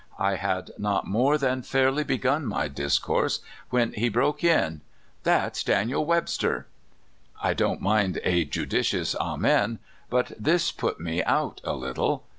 I had not more than fairly begun my discourse, when he broke in: "That's Daniel Webster! " I don't mind a judicious "Amen," but this put me out a little.